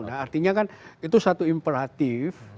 nah artinya kan itu satu imperatif